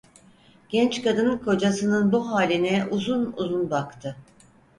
Genç kadın, kocasının bu haline uzun uzun baktı.